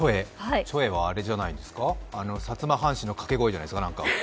ちょえは、あれじゃないですか薩摩藩士の掛け声じゃないですか。